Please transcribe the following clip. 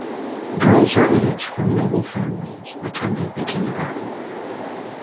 Girls her age from noble families attended the kindergarten.